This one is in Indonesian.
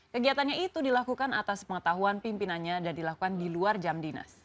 kegiatannya itu dilakukan atas pengetahuan pimpinannya dan dilakukan di luar jam dinas